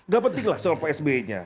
gak penting lah soal psb nya